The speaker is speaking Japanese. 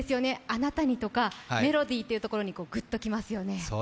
「あなたに」とか「メロディー」というところにグッときますよね。